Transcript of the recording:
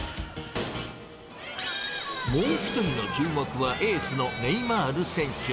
もう一人の注目は、エースのネイマール選手。